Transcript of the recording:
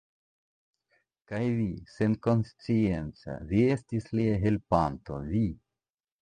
Kaj vi, senkonscienca, vi estis lia helpanto, vi!